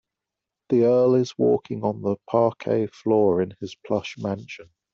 The earl is walking on the parquet floor in his plush mansion.